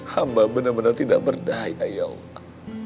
hamba benar benar tidak berdaya ya allah